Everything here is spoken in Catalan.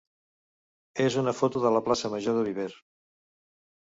és una foto de la plaça major de Viver.